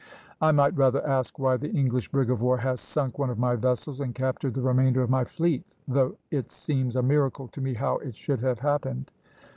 "I might rather ask why the English brig of war has sunk one of my vessels, and captured the remainder of my fleet; though it seems a miracle to me how it should have happened."